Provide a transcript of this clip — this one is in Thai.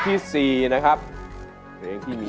ไฟเย็มหลังมาตรงนี้